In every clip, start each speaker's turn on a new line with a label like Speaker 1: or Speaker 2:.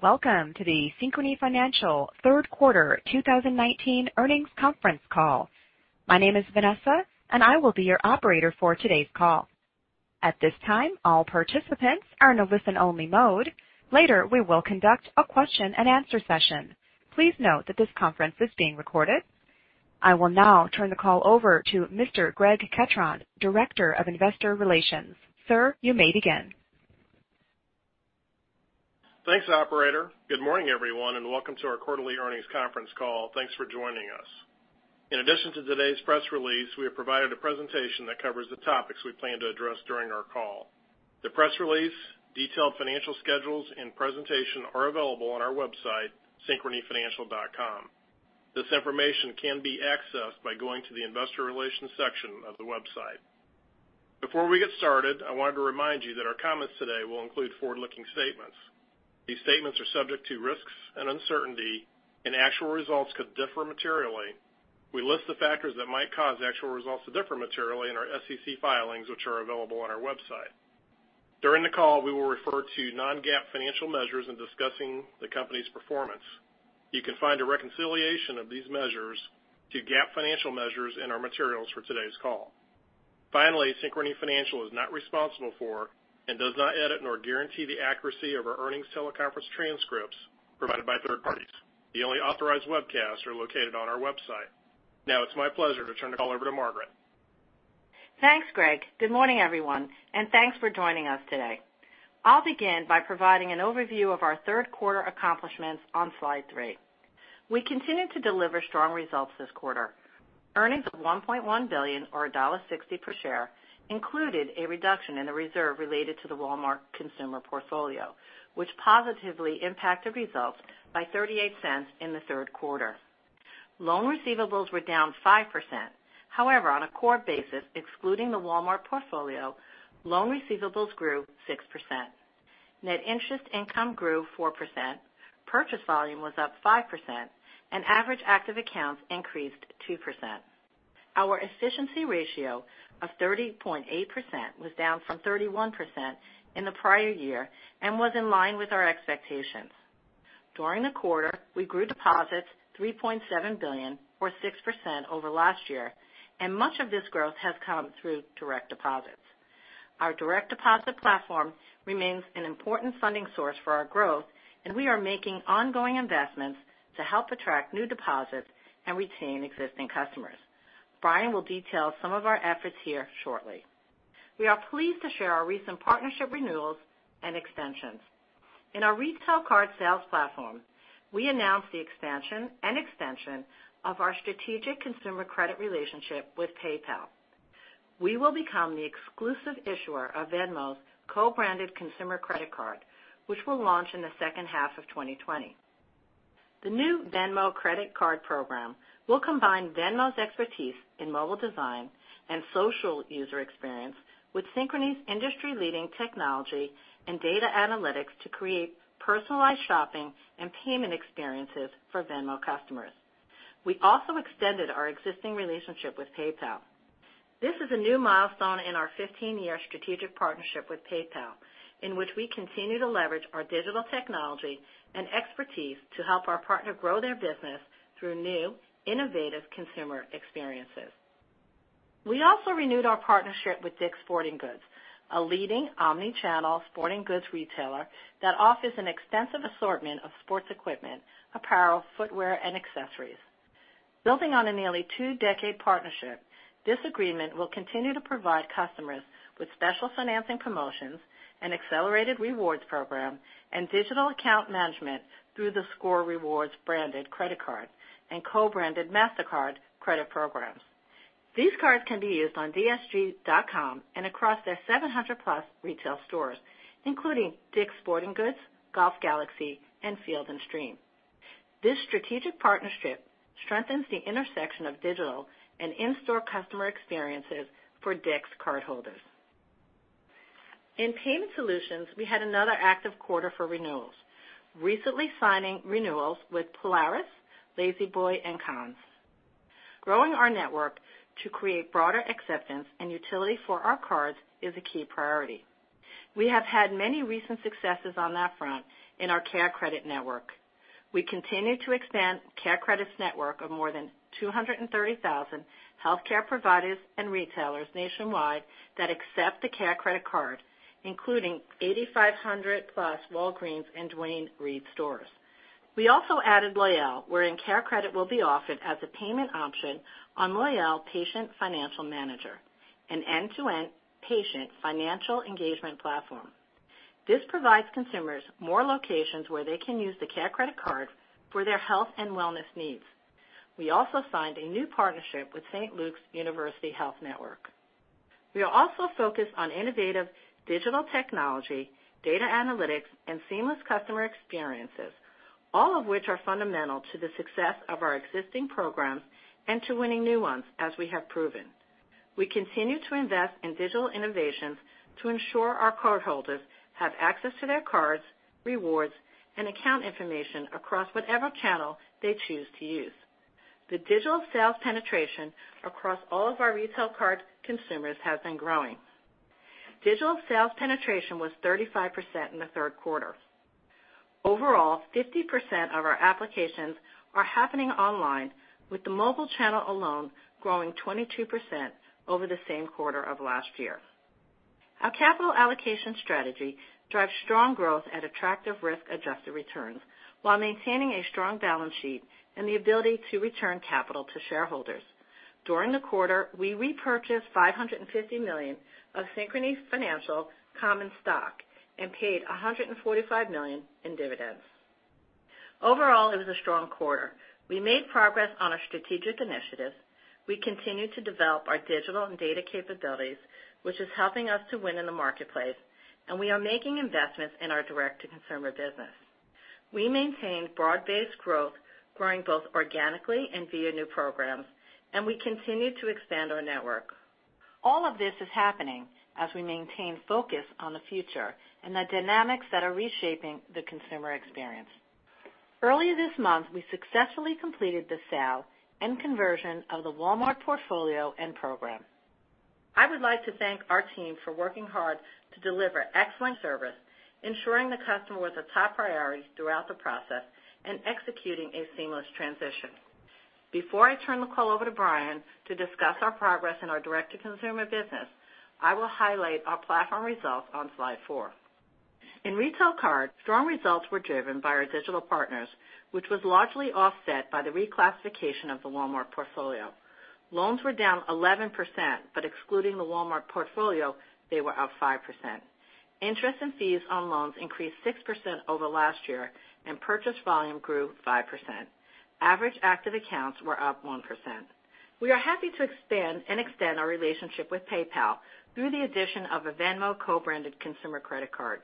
Speaker 1: Welcome to the Synchrony Financial third quarter 2019 earnings conference call. My name is Vanessa, and I will be your operator for today's call. At this time, all participants are in listen only mode. Later, we will conduct a question and answer session. Please note that this conference is being recorded. I will now turn the call over to Mr. Greg Ketron, Director of Investor Relations. Sir, you may begin.
Speaker 2: Thanks, operator. Good morning, everyone, and welcome to our quarterly earnings conference call. Thanks for joining us. In addition to today's press release, we have provided a presentation that covers the topics we plan to address during our call. The press release, detailed financial schedules, and presentation are available on our website, synchronyfinancial.com. This information can be accessed by going to the investor relations section of the website. Before we get started, I wanted to remind you that our comments today will include forward-looking statements. These statements are subject to risks and uncertainty, and actual results could differ materially. We list the factors that might cause actual results to differ materially in our SEC filings, which are available on our website. During the call, we will refer to non-GAAP financial measures in discussing the company's performance. You can find a reconciliation of these measures to GAAP financial measures in our materials for today's call. Synchrony Financial is not responsible for and does not edit or guarantee the accuracy of our earnings teleconference transcripts provided by third parties. The only authorized webcasts are located on our website. It's my pleasure to turn the call over to Margaret.
Speaker 3: Thanks, Greg. Good morning, everyone. Thanks for joining us today. I'll begin by providing an overview of our third quarter accomplishments on slide three. We continued to deliver strong results this quarter. Earnings of $1.1 billion or $1.60 per share included a reduction in the reserve related to the Walmart consumer portfolio, which positively impacted results by $0.38 in the third quarter. Loan receivables were down 5%. On a core basis, excluding the Walmart portfolio, loan receivables grew 6%. Net Interest Income grew 4%, purchase volume was up 5%. Average active accounts increased 2%. Our efficiency ratio of 30.8% was down from 31% in the prior year and was in line with our expectations. During the quarter, we grew deposits $3.7 billion or 6% over last year. Much of this growth has come through direct deposits. Our direct deposit platform remains an important funding source for our growth, and we are making ongoing investments to help attract new deposits and retain existing customers. Brian will detail some of our efforts here shortly. We are pleased to share our recent partnership renewals and extensions. In our retail card sales platform, we announced the expansion and extension of our strategic consumer credit relationship with PayPal. We will become the exclusive issuer of Venmo's co-branded consumer credit card, which will launch in the second half of 2020. The new Venmo Credit Card program will combine Venmo's expertise in mobile design and social user experience with Synchrony's industry-leading technology and data analytics to create personalized shopping and payment experiences for Venmo customers. We also extended our existing relationship with PayPal. This is a new milestone in our 15-year strategic partnership with PayPal, in which we continue to leverage our digital technology and expertise to help our partner grow their business through new, innovative consumer experiences. We also renewed our partnership with DICK'S Sporting Goods, a leading omni-channel sporting goods retailer that offers an extensive assortment of sports equipment, apparel, footwear, and accessories. Building on a nearly two-decade partnership, this agreement will continue to provide customers with special financing promotions, an accelerated rewards program, and digital account management through the ScoreRewards branded credit card and co-branded Mastercard credit programs. These cards can be used on dsg.com and across their 700-plus retail stores, including DICK'S Sporting Goods, Golf Galaxy, and Field & Stream. This strategic partnership strengthens the intersection of digital and in-store customer experiences for DICK'S cardholders. In Payment Solutions, we had another active quarter for renewals, recently signing renewals with Polaris, La-Z-Boy, and Conn's. Growing our network to create broader acceptance and utility for our cards is a key priority. We have had many recent successes on that front in our CareCredit network. We continue to expand CareCredit's network of more than 230,000 healthcare providers and retailers nationwide that accept the CareCredit card, including 8,500-plus Walgreens and Duane Reade stores. We also added Loyale, wherein CareCredit will be offered as a payment option on Loyale Patient Financial Manager, an end-to-end patient financial engagement platform. This provides consumers more locations where they can use the CareCredit card for their health and wellness needs. We also signed a new partnership with St. Luke's University Health Network. We are also focused on innovative digital technology, data analytics, and seamless customer experiences, all of which are fundamental to the success of our existing programs and to winning new ones as we have proven. We continue to invest in digital innovations to ensure our cardholders have access to their cards, rewards, and account information across whatever channel they choose to use. The digital sales penetration across all of our retail card consumers has been growing. Digital sales penetration was 35% in the third quarter. Overall, 50% of our applications are happening online, with the mobile channel alone growing 22% over the same quarter of last year. Our capital allocation strategy drives strong growth at attractive risk-adjusted returns while maintaining a strong balance sheet and the ability to return capital to shareholders. During the quarter, we repurchased $550 million of Synchrony Financial common stock and paid $145 million in dividends. Overall, it was a strong quarter. We made progress on our strategic initiatives. We continue to develop our digital and data capabilities, which is helping us to win in the marketplace, and we are making investments in our direct-to-consumer business. We maintained broad-based growth, growing both organically and via new programs, and we continue to expand our network. All of this is happening as we maintain focus on the future and the dynamics that are reshaping the consumer experience. Earlier this month, we successfully completed the sale and conversion of the Walmart portfolio and program. I would like to thank our team for working hard to deliver excellent service, ensuring the customer was a top priority throughout the process and executing a seamless transition. Before I turn the call over to Brian to discuss our progress in our direct-to-consumer business, I will highlight our platform results on slide four. In retail card, strong results were driven by our digital partners, which was largely offset by the reclassification of the Walmart portfolio. Loans were down 11%. Excluding the Walmart portfolio, they were up 5%. Interest and fees on loans increased 6% over last year. Purchase volume grew 5%. Average active accounts were up 1%. We are happy to expand and extend our relationship with PayPal through the addition of a Venmo co-branded consumer credit card.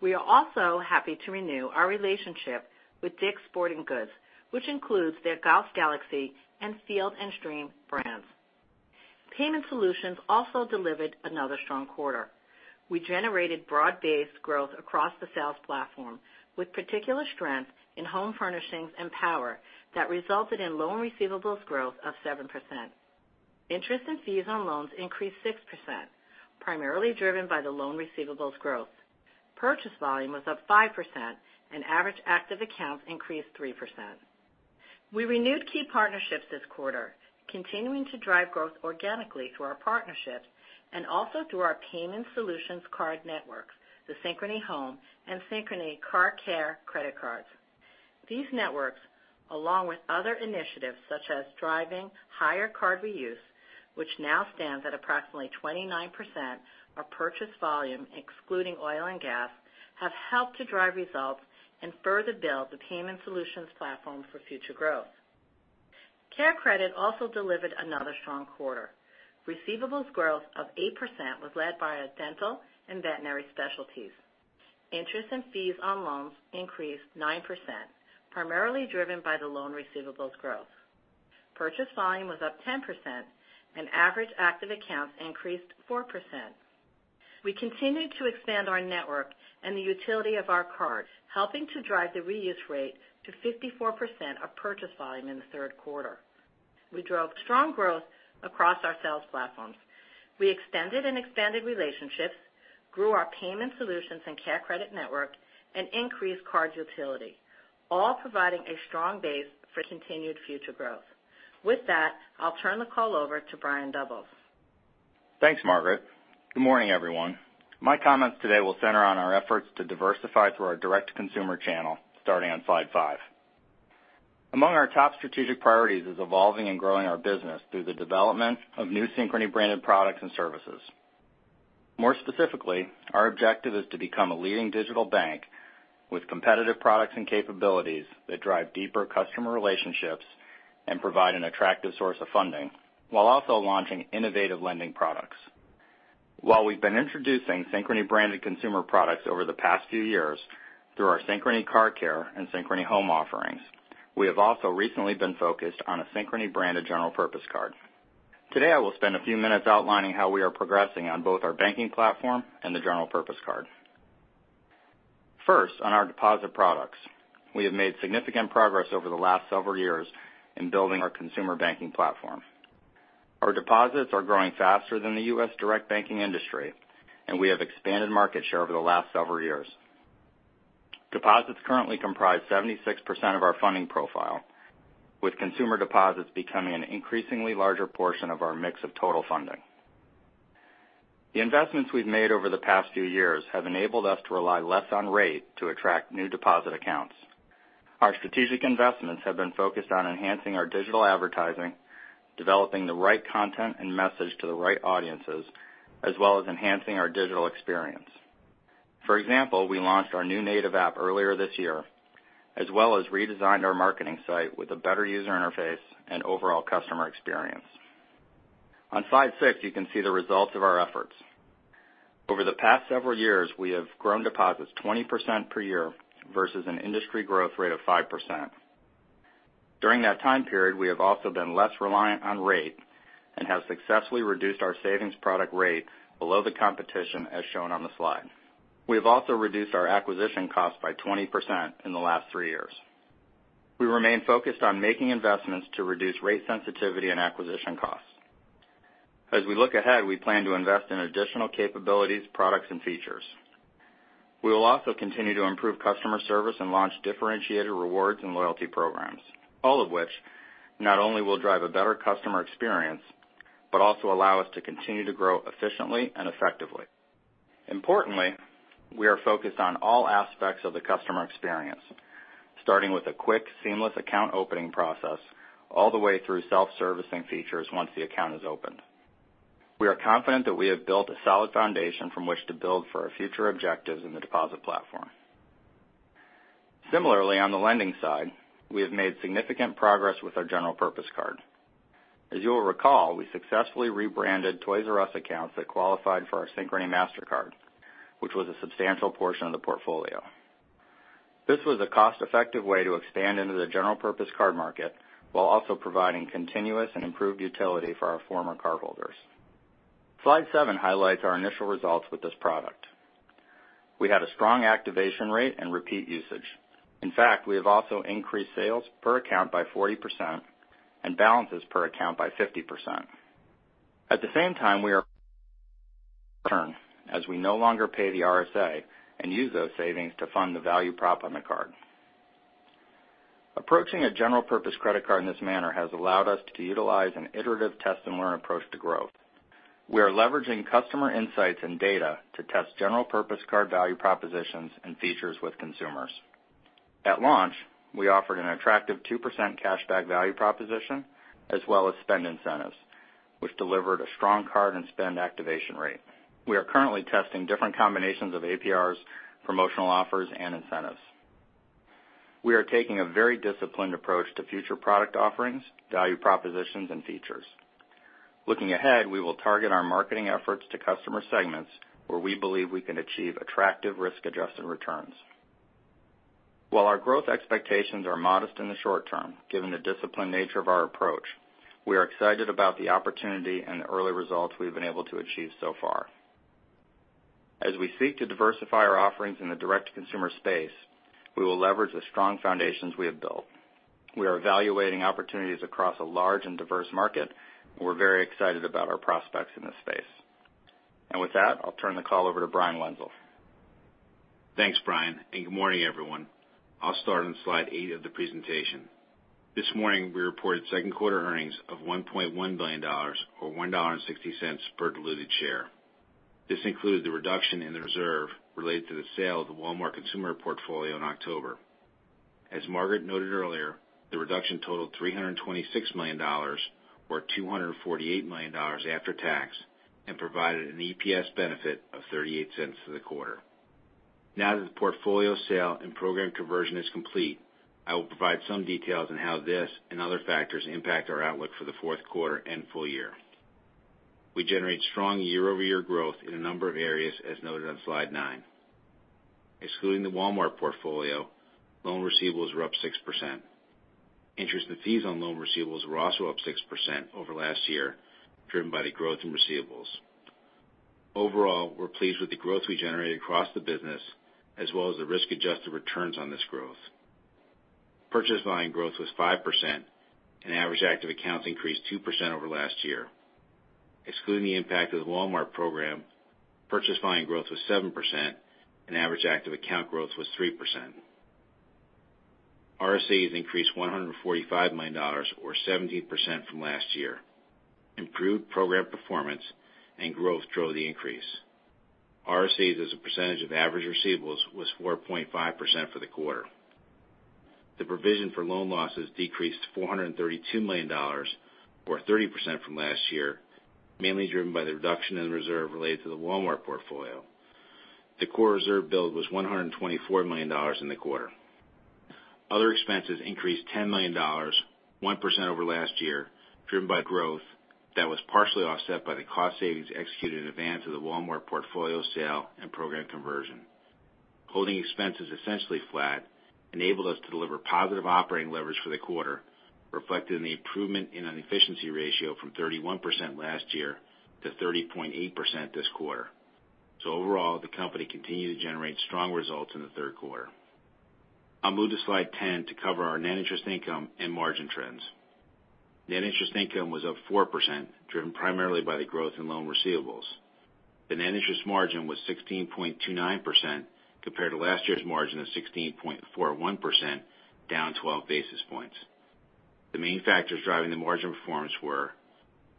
Speaker 3: We are also happy to renew our relationship with DICK'S Sporting Goods, which includes their Golf Galaxy and Field & Stream brands. Payment solutions also delivered another strong quarter. We generated broad-based growth across the sales platform, with particular strength in home furnishings and power that resulted in loan receivables growth of 7%. Interest and fees on loans increased 6%, primarily driven by the loan receivables growth. Purchase volume was up 5% and average active accounts increased 3%. We renewed key partnerships this quarter, continuing to drive growth organically through our partnerships and also through our payment solutions card networks, the Synchrony HOME and Synchrony Car Care credit cards. These networks, along with other initiatives such as driving higher card reuse, which now stands at approximately 29% of purchase volume excluding oil and gas, have helped to drive results and further build the payment solutions platform for future growth. CareCredit also delivered another strong quarter. Receivables growth of 8% was led by our dental and veterinary specialties. Interest and fees on loans increased 9%, primarily driven by the loan receivables growth. Purchase volume was up 10% and average active accounts increased 4%. We continue to expand our network and the utility of our cards, helping to drive the reuse rate to 54% of purchase volume in the third quarter. We drove strong growth across our sales platforms. We extended and expanded relationships, grew our payment solutions and CareCredit network, and increased card utility, all providing a strong base for continued future growth. With that, I'll turn the call over to Brian Doubles.
Speaker 4: Thanks, Margaret. Good morning, everyone. My comments today will center on our efforts to diversify through our direct-to-consumer channel, starting on slide five. Among our top strategic priorities is evolving and growing our business through the development of new Synchrony-branded products and services. More specifically, our objective is to become a leading digital bank with competitive products and capabilities that drive deeper customer relationships and provide an attractive source of funding while also launching innovative lending products. While we've been introducing Synchrony-branded consumer products over the past few years through our Synchrony Car Care and Synchrony HOME offerings, we have also recently been focused on a Synchrony-branded general purpose card. Today, I will spend a few minutes outlining how we are progressing on both our banking platform and the general purpose card. First, on our deposit products. We have made significant progress over the last several years in building our consumer banking platform. Our deposits are growing faster than the U.S. direct banking industry, and we have expanded market share over the last several years. Deposits currently comprise 76% of our funding profile, with consumer deposits becoming an increasingly larger portion of our mix of total funding. The investments we've made over the past few years have enabled us to rely less on rate to attract new deposit accounts. Our strategic investments have been focused on enhancing our digital advertising, developing the right content and message to the right audiences, as well as enhancing our digital experience. For example, we launched our new native app earlier this year, as well as redesigned our marketing site with a better user interface and overall customer experience. On slide six, you can see the results of our efforts. Over the past several years, we have grown deposits 20% per year versus an industry growth rate of 5%. During that time period, we have also been less reliant on rate and have successfully reduced our savings product rate below the competition as shown on the slide. We have also reduced our acquisition cost by 20% in the last three years. We remain focused on making investments to reduce rate sensitivity and acquisition costs. As we look ahead, we plan to invest in additional capabilities, products, and features. We will also continue to improve customer service and launch differentiated rewards and loyalty programs, all of which not only will drive a better customer experience, but also allow us to continue to grow efficiently and effectively. Importantly, we are focused on all aspects of the customer experience, starting with a quick, seamless account opening process all the way through self-servicing features once the account is opened. We are confident that we have built a solid foundation from which to build for our future objectives in the deposit platform. Similarly, on the lending side, we have made significant progress with our general purpose card. As you will recall, we successfully rebranded Toys“R”Us accounts that qualified for our Synchrony Mastercard, which was a substantial portion of the portfolio. This was a cost-effective way to expand into the general purpose card market while also providing continuous and improved utility for our former cardholders. Slide seven highlights our initial results with this product. We had a strong activation rate and repeat usage. In fact, we have also increased sales per account by 40% and balances per account by 50%. At the same time, we are return as we no longer pay the RSA and use those savings to fund the value prop on the card. Approaching a general purpose credit card in this manner has allowed us to utilize an iterative test-and-learn approach to growth. We are leveraging customer insights and data to test general purpose card value propositions and features with consumers. At launch, we offered an attractive 2% cashback value proposition as well as spend incentives, which delivered a strong card and spend activation rate. We are currently testing different combinations of APRs, promotional offers, and incentives. We are taking a very disciplined approach to future product offerings, value propositions, and features. Looking ahead, we will target our marketing efforts to customer segments where we believe we can achieve attractive risk-adjusted returns. While our growth expectations are modest in the short term, given the disciplined nature of our approach, we are excited about the opportunity and the early results we've been able to achieve so far. As we seek to diversify our offerings in the direct-to-consumer space, we will leverage the strong foundations we have built. We are evaluating opportunities across a large and diverse market, and we're very excited about our prospects in this space. With that, I'll turn the call over to Brian Wenzel.
Speaker 5: Thanks, Brian. Good morning, everyone. I'll start on slide eight of the presentation. This morning, we reported second quarter earnings of $1.1 billion, or $1.60 per diluted share. This included the reduction in the reserve related to the sale of the Walmart consumer portfolio in October. As Margaret noted earlier, the reduction totaled $326 million, or $248 million after tax, and provided an EPS benefit of $0.38 for the quarter. Now that the portfolio sale and program conversion is complete, I will provide some details on how this and other factors impact our outlook for the fourth quarter and full year. We generate strong year-over-year growth in a number of areas as noted on slide nine. Excluding the Walmart portfolio, loan receivables were up 6%. Interest and fees on loan receivables were also up 6% over last year, driven by the growth in receivables. Overall, we're pleased with the growth we generated across the business, as well as the risk-adjusted returns on this growth. Purchase volume growth was 5%, and average active accounts increased 2% over last year. Excluding the impact of the Walmart program, purchase volume growth was 7%, and average active account growth was 3%. RSAs increased $145 million, or 17%, from last year. Improved program performance and growth drove the increase. RSAs as a percentage of average receivables was 4.5% for the quarter. The provision for loan losses decreased to $432 million, or 30% from last year, mainly driven by the reduction in the reserve related to the Walmart portfolio. The core reserve build was $124 million in the quarter. Other expenses increased $10 million, 1% over last year, driven by growth that was partially offset by the cost savings executed in advance of the Walmart portfolio sale and program conversion. Holding expenses essentially flat enabled us to deliver positive operating leverage for the quarter, reflected in the improvement in an efficiency ratio from 31% last year to 30.8% this quarter. Overall, the company continued to generate strong results in the third quarter. I'll move to slide 10 to cover our net interest income and margin trends. Net interest income was up 4%, driven primarily by the growth in loan receivables. The net interest margin was 16.29% compared to last year's margin of 16.41%, down 12 basis points. The main factors driving the margin performance were: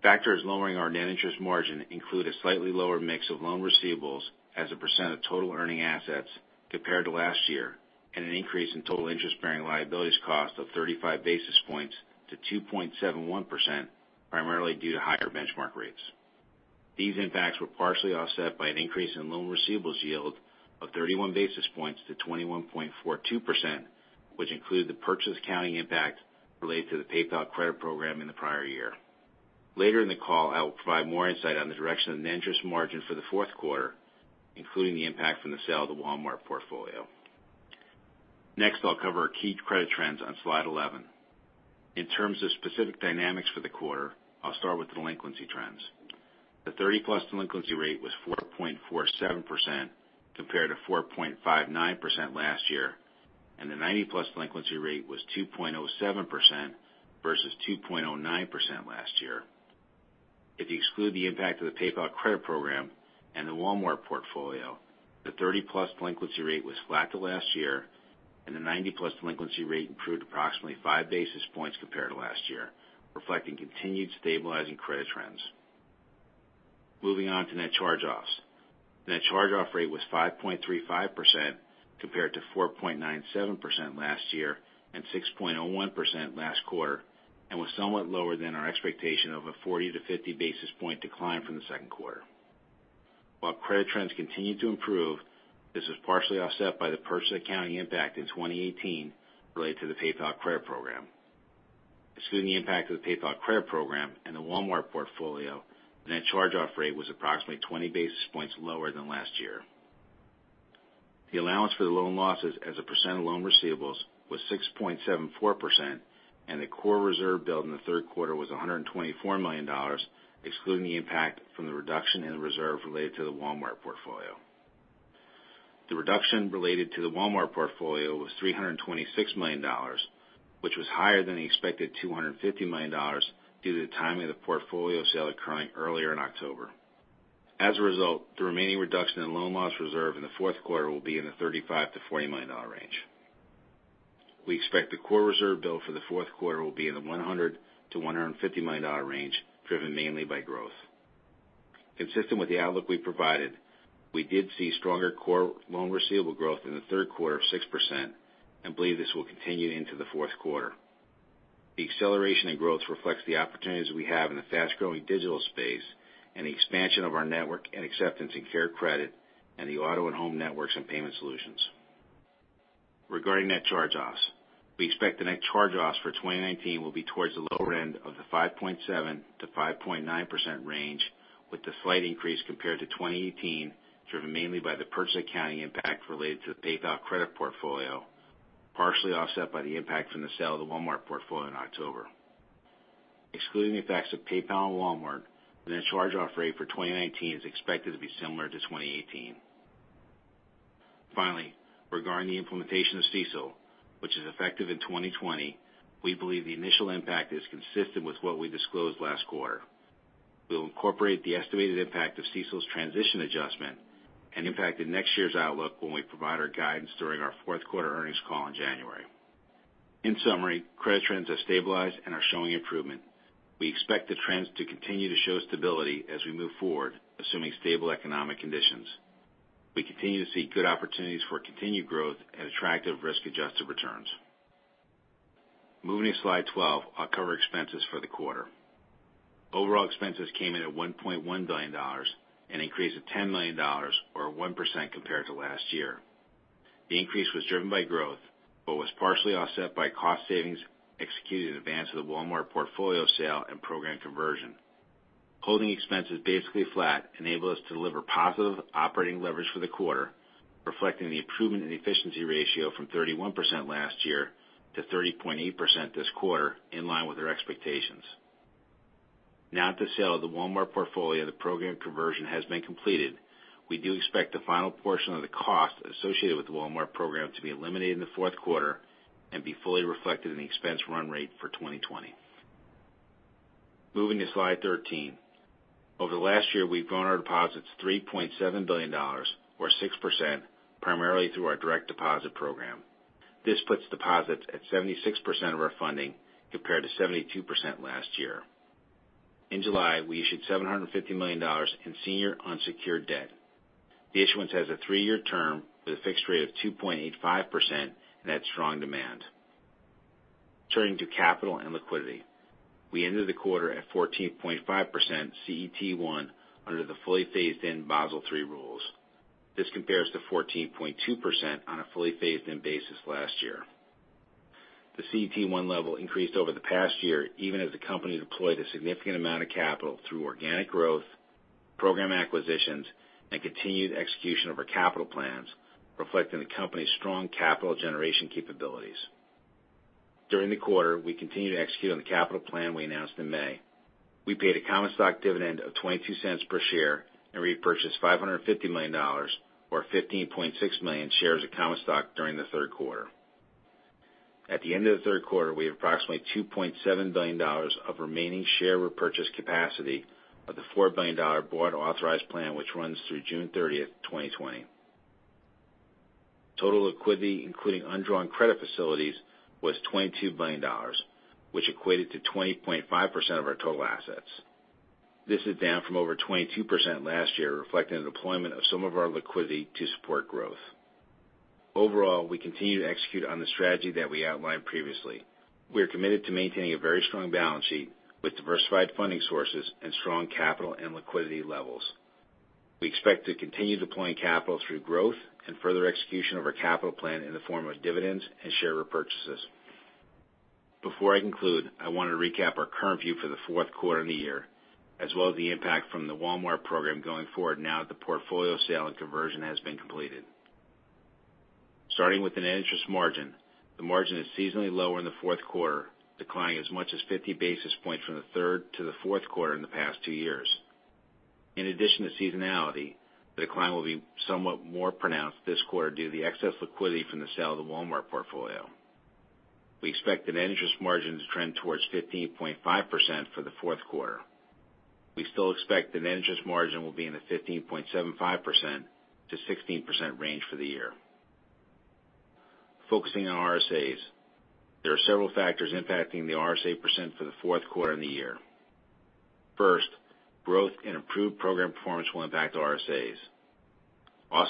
Speaker 5: factors lowering our net interest margin include a slightly lower mix of loan receivables as a percent of total earning assets compared to last year, and an increase in total interest-bearing liabilities cost of 35 basis points to 2.71%, primarily due to higher benchmark rates. These impacts were partially offset by an increase in loan receivables yield of 31 basis points to 21.42%, which include the purchase accounting impact related to the PayPal Credit program in the prior year. Later in the call, I will provide more insight on the direction of net interest margin for the fourth quarter, including the impact from the sale of the Walmart portfolio. Next, I'll cover our key credit trends on slide 11. In terms of specific dynamics for the quarter, I'll start with delinquency trends. The 30-plus delinquency rate was 4.47% compared to 4.59% last year, and the 90-plus delinquency rate was 2.07% versus 2.09% last year. If you exclude the impact of the PayPal Credit program and the Walmart portfolio, the 30-plus delinquency rate was flat to last year, and the 90-plus delinquency rate improved approximately five basis points compared to last year, reflecting continued stabilizing credit trends. Moving on to net charge-offs. Net charge-off rate was 5.35% compared to 4.97% last year and 6.01% last quarter, and was somewhat lower than our expectation of a 40 to 50 basis point decline from the second quarter. While credit trends continue to improve, this was partially offset by the purchase accounting impact in 2018 related to the PayPal Credit program. Excluding the impact of the PayPal Credit program and the Walmart portfolio, the net charge-off rate was approximately 20 basis points lower than last year. The allowance for the loan losses as a percent of loan receivables was 6.74%, and the core reserve built in the third quarter was $124 million, excluding the impact from the reduction in the reserve related to the Walmart portfolio. The reduction related to the Walmart portfolio was $326 million, which was higher than the expected $250 million due to the timing of the portfolio sale occurring earlier in October. As a result, the remaining reduction in loan loss reserve in the fourth quarter will be in the $35 million-$40 million range. We expect the core reserve build for the fourth quarter will be in the $100 million-$150 million range, driven mainly by growth. Consistent with the outlook we provided, we did see stronger core loan receivable growth in the third quarter of 6% and believe this will continue into the fourth quarter. The acceleration in growth reflects the opportunities we have in the fast-growing digital space and the expansion of our network and acceptance in CareCredit and the auto and home networks and payment solutions. Regarding net charge-offs, we expect the net charge-offs for 2019 will be towards the lower end of the 5.7%-5.9% range, with the slight increase compared to 2018 driven mainly by the purchase accounting impact related to the PayPal Credit portfolio, partially offset by the impact from the sale of the Walmart portfolio in October. Excluding the effects of PayPal and Walmart, the net charge-off rate for 2019 is expected to be similar to 2018. Finally, regarding the implementation of CECL, which is effective in 2020, we believe the initial impact is consistent with what we disclosed last quarter. We'll incorporate the estimated impact of CECL's transition adjustment and impact in next year's outlook when we provide our guidance during our fourth quarter earnings call in January. In summary, credit trends have stabilized and are showing improvement. We expect the trends to continue to show stability as we move forward, assuming stable economic conditions. We continue to see good opportunities for continued growth and attractive risk-adjusted returns. Moving to slide 12, I'll cover expenses for the quarter. Overall expenses came in at $1.1 billion, an increase of $10 million or 1% compared to last year. The increase was driven by growth but was partially offset by cost savings executed in advance of the Walmart portfolio sale and program conversion. Holding expenses basically flat enabled us to deliver positive operating leverage for the quarter, reflecting the improvement in the efficiency ratio from 31% last year to 30.8% this quarter, in line with our expectations. Now that the sale of the Walmart portfolio and the program conversion has been completed, we do expect the final portion of the cost associated with the Walmart program to be eliminated in the fourth quarter and be fully reflected in the expense run rate for 2020. Moving to slide 13. Over the last year, we've grown our deposits $3.7 billion or 6%, primarily through our direct deposit program. This puts deposits at 76% of our funding, compared to 72% last year. In July, we issued $750 million in senior unsecured debt. The issuance has a three-year term with a fixed rate of 2.85% and had strong demand. Turning to capital and liquidity. We ended the quarter at 14.5% CET1 under the fully phased-in Basel III rules. This compares to 14.2% on a fully phased-in basis last year. The CET1 level increased over the past year, even as the company deployed a significant amount of capital through organic growth, program acquisitions, and continued execution of our capital plans, reflecting the company's strong capital generation capabilities. During the quarter, we continued to execute on the capital plan we announced in May. We paid a common stock dividend of $0.22 per share and repurchased $550 million or 15.6 million shares of common stock during the third quarter. At the end of the third quarter, we have approximately $2.7 billion of remaining share repurchase capacity of the $4 billion board-authorized plan, which runs through June 30, 2020. Total liquidity, including undrawn credit facilities, was $22 billion, which equated to 20.5% of our total assets. This is down from over 22% last year, reflecting the deployment of some of our liquidity to support growth. Overall, we continue to execute on the strategy that we outlined previously. We are committed to maintaining a very strong balance sheet with diversified funding sources and strong capital and liquidity levels. We expect to continue deploying capital through growth and further execution of our capital plan in the form of dividends and share repurchases. Before I conclude, I want to recap our current view for the fourth quarter and the year, as well as the impact from the Walmart program going forward now that the portfolio sale and conversion has been completed. Starting with the net interest margin, the margin is seasonally lower in the fourth quarter, declining as much as 50 basis points from the third to the fourth quarter in the past two years. In addition to seasonality, the decline will be somewhat more pronounced this quarter due to the excess liquidity from the sale of the Walmart portfolio. We expect the net interest margin to trend towards 15.5% for the fourth quarter. We still expect the net interest margin will be in the 15.75%-16% range for the year. Focusing on RSAs. There are several factors impacting the RSA percent for the fourth quarter and the year.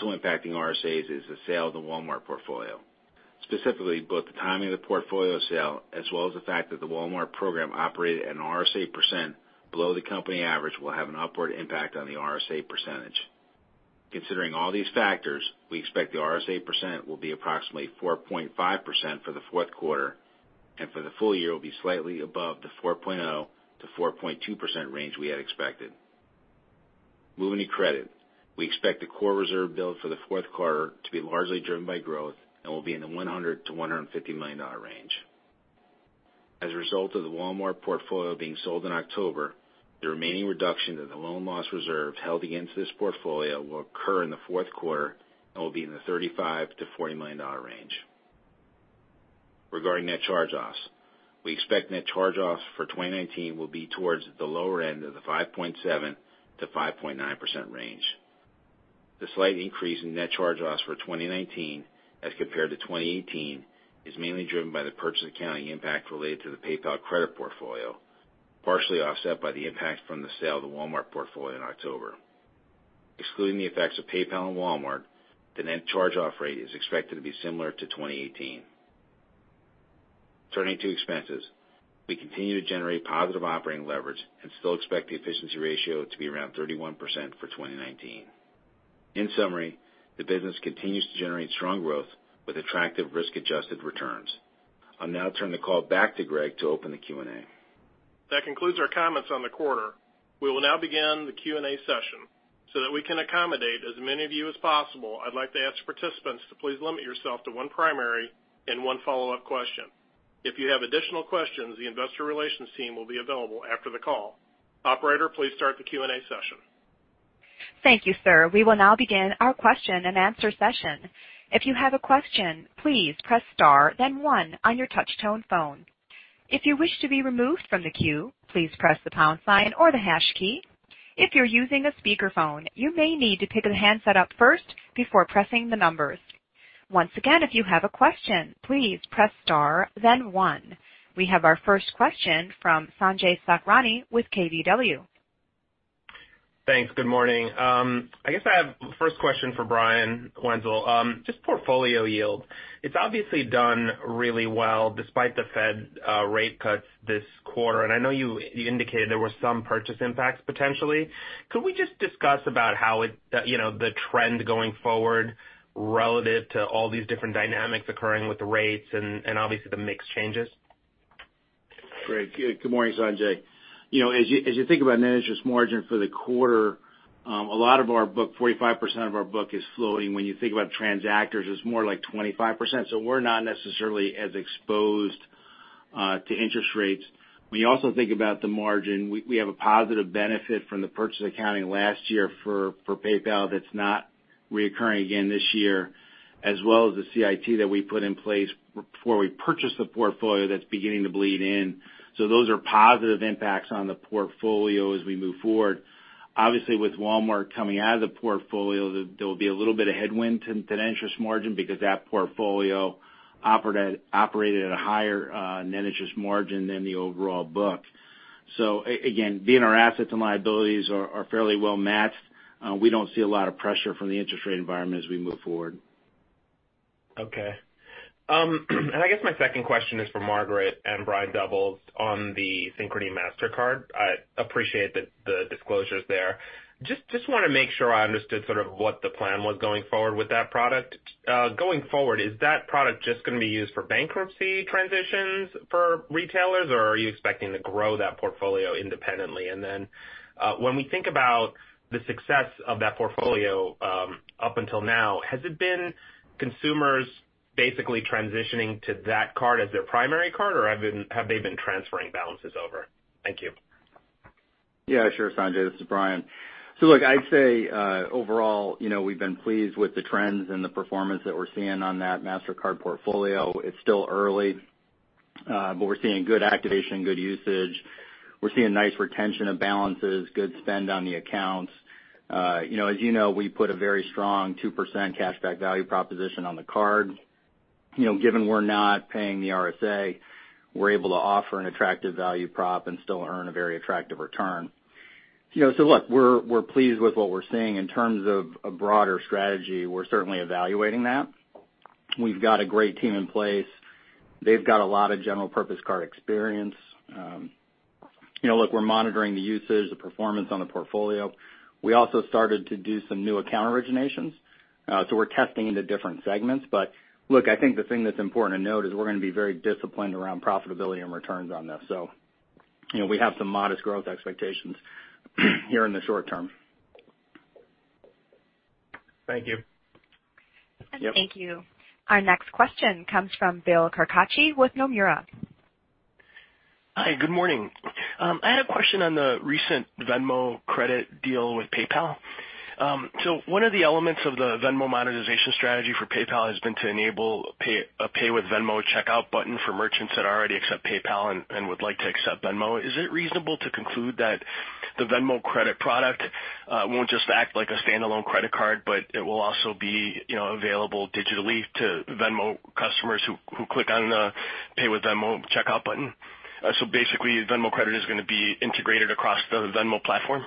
Speaker 5: Impacting RSAs is the sale of the Walmart portfolio. Specifically, both the timing of the portfolio sale, as well as the fact that the Walmart program operated at an RSA percent below the company average will have an upward impact on the RSA percentage. Considering all these factors, we expect the RSA % will be approximately 4.5% for the fourth quarter, and for the full year will be slightly above the 4.0%-4.2% range we had expected. Moving to credit. We expect the core reserve build for the fourth quarter to be largely driven by growth and will be in the $100 million-$150 million range. As a result of the Walmart portfolio being sold in October, the remaining reduction of the loan loss reserve held against this portfolio will occur in the fourth quarter and will be in the $35 million-$40 million range. Regarding net charge-offs, we expect net charge-offs for 2019 will be towards the lower end of the 5.7%-5.9% range. The slight increase in net charge-offs for 2019 as compared to 2018 is mainly driven by the purchase accounting impact related to the PayPal Credit portfolio, partially offset by the impact from the sale of the Walmart portfolio in October. Excluding the effects of PayPal and Walmart, the net charge-off rate is expected to be similar to 2018. Turning to expenses, we continue to generate positive operating leverage and still expect the efficiency ratio to be around 31% for 2019. In summary, the business continues to generate strong growth with attractive risk-adjusted returns. I'll now turn the call back to Greg to open the Q&A.
Speaker 2: That concludes our comments on the quarter. We will now begin the Q&A session. That we can accommodate as many of you as possible, I'd like to ask participants to please limit yourself to one primary and one follow-up question. If you have additional questions, the investor relations team will be available after the call. Operator, please start the Q&A session.
Speaker 1: Thank you, sir. We will now begin our question-and-answer session. If you have a question, please press star then one on your touch-tone phone. If you wish to be removed from the queue, please press the pound sign or the hash key. If you're using a speakerphone, you may need to pick the handset up first before pressing the numbers. Once again, if you have a question, please press star then one. We have our first question from Sanjay Sakhrani with KBW.
Speaker 6: Thanks. Good morning. I guess I have the first question for Brian Wenzel. Just portfolio yield. It's obviously done really well despite the Fed rate cuts this quarter, and I know you indicated there were some purchase impacts potentially. Could we just discuss about the trend going forward relative to all these different dynamics occurring with the rates and obviously the mix changes?
Speaker 5: Great. Good morning, Sanjay. As you think about net interest margin for the quarter, a lot of our book, 45% of our book is floating. When you think about transactors, it's more like 25%. We're not necessarily as exposed to interest rates. When you also think about the margin, we have a positive benefit from the purchase accounting last year for PayPal that's not reoccurring again this year, as well as the CIT that we put in place before we purchased the portfolio that's beginning to bleed in. Those are positive impacts on the portfolio as we move forward. Obviously, with Walmart coming out of the portfolio, there will be a little bit of headwind to net interest margin because that portfolio operated at a higher net interest margin than the overall book. Again, being our assets and liabilities are fairly well matched, we don't see a lot of pressure from the interest rate environment as we move forward.
Speaker 6: I guess my second question is for Margaret and Brian Doubles on the Synchrony Mastercard. I appreciate the disclosures there. Just want to make sure I understood sort of what the plan was going forward with that product. Going forward, is that product just going to be used for bankruptcy transitions for retailers, or are you expecting to grow that portfolio independently? Then when we think about the success of that portfolio up until now, has it been consumers basically transitioning to that card as their primary card, or have they been transferring balances over? Thank you.
Speaker 4: Sure, Sanjay. This is Brian. I'd say, overall, we've been pleased with the trends and the performance that we're seeing on that Mastercard portfolio. It's still early, we're seeing good activation, good usage. We're seeing nice retention of balances, good spend on the accounts. As you know, we put a very strong 2% cashback value proposition on the card. Given we're not paying the RSA, we're able to offer an attractive value prop and still earn a very attractive return. We're pleased with what we're seeing. In terms of a broader strategy, we're certainly evaluating that. We've got a great team in place. They've got a lot of general purpose card experience. We're monitoring the usage, the performance on the portfolio. We also started to do some new account originations, so we're testing into different segments. Look, I think the thing that's important to note is we're going to be very disciplined around profitability and returns on this. We have some modest growth expectations here in the short term.
Speaker 6: Thank you.
Speaker 1: Thank you. Our next question comes from Bill Carcache with Nomura.
Speaker 7: Hi, good morning. I had a question on the recent Venmo Credit with PayPal. One of the elements of the Venmo monetization strategy for PayPal has been to enable a Pay with Venmo checkout button for merchants that already accept PayPal and would like to accept Venmo. Is it reasonable to conclude that the Venmo Credit product won't just act like a standalone credit card, but it will also be available digitally to Venmo customers who click on the Pay with Venmo checkout button? Basically, Venmo Credit is going to be integrated across the Venmo platform?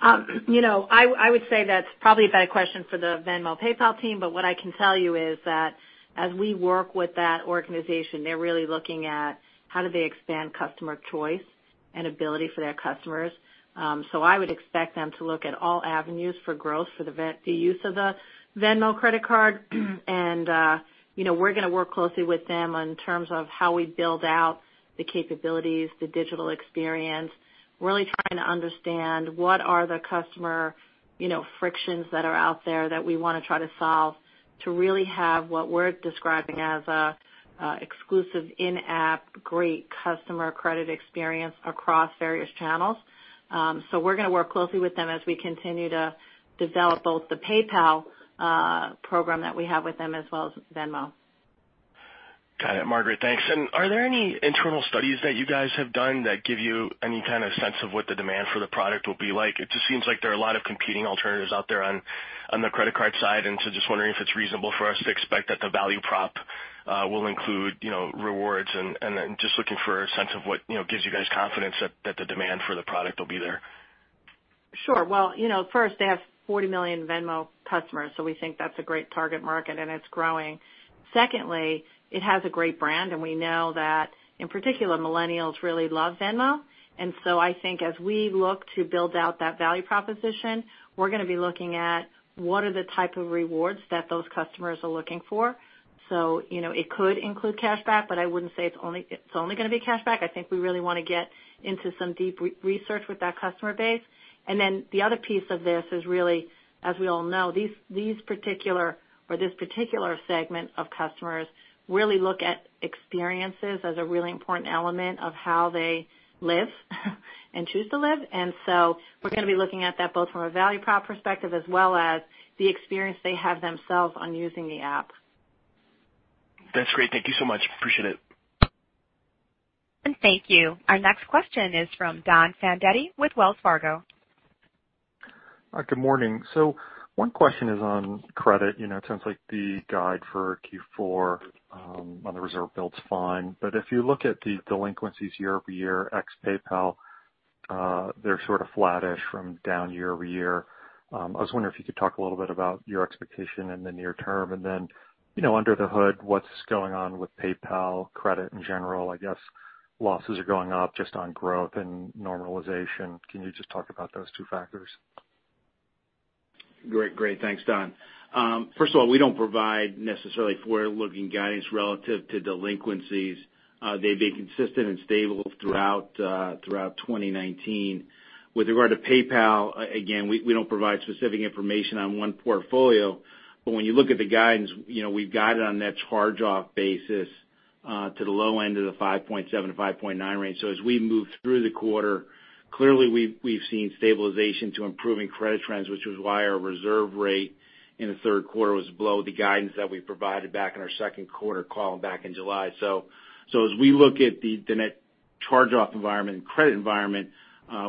Speaker 3: I would say that's probably a better question for the Venmo PayPal team, but what I can tell you is that as we work with that organization, they're really looking at how do they expand customer choice and ability for their customers. I would expect them to look at all avenues for growth for the use of the Venmo Credit Card. We're going to work closely with them in terms of how we build out the capabilities, the digital experience, really trying to understand what are the customer frictions that are out there that we want to try to solve to really have what we're describing as an exclusive in-app, great customer credit experience across various channels. We're going to work closely with them as we continue to develop both the PayPal program that we have with them, as well as Venmo.
Speaker 7: Got it, Margaret, thanks. Are there any internal studies that you guys have done that give you any kind of sense of what the demand for the product will be like? It just seems like there are a lot of competing alternatives out there on the credit card side. Just wondering if it's reasonable for us to expect that the value prop will include rewards and then just looking for a sense of what gives you guys confidence that the demand for the product will be there.
Speaker 3: Sure. Well, first they have 40 million Venmo customers, so we think that's a great target market, and it's growing. Secondly, it has a great brand, and we know that, in particular, millennials really love Venmo. I think as we look to build out that value proposition, we're going to be looking at what are the type of rewards that those customers are looking for. It could include cashback, but I wouldn't say it's only going to be cashback. I think we really want to get into some deep research with that customer base. The other piece of this is really, as we all know, this particular segment of customers really look at experiences as a really important element of how they live and choose to live. We're going to be looking at that both from a value prop perspective as well as the experience they have themselves on using the app.
Speaker 7: That's great. Thank you so much. Appreciate it.
Speaker 1: Thank you. Our next question is from Don Fandetti with Wells Fargo.
Speaker 8: Hi, good morning. One question is on credit. It sounds like the guide for Q4 on the reserve build's fine, if you look at the delinquencies year-over-year ex PayPal, they're sort of flattish from down year-over-year. I was wondering if you could talk a little bit about your expectation in the near term, under the hood, what's going on with PayPal Credit in general. I guess losses are going up just on growth and normalization. Can you just talk about those two factors?
Speaker 5: Great. Thanks, Don. First of all, we don't provide necessarily forward-looking guidance relative to delinquencies. They've been consistent and stable throughout 2019. With regard to PayPal, again, we don't provide specific information on one portfolio, but when you look at the guidance, we've got it on net charge-off basis to the low end of the 5.7 to 5.9 range. As we move through the quarter, clearly we've seen stabilization to improving credit trends, which was why our reserve rate in the third quarter was below the guidance that we provided back in our third quarter call back in July. As we look at the net charge-off environment and credit environment,